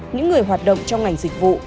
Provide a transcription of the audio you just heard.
những người hoạt động trong ngành dịch vụ